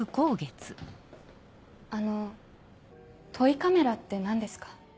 あのトイカメラって何ですか？